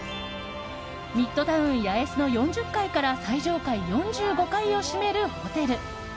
ミッドタウン八重洲の４０階から最上階４５階を占めるホテル。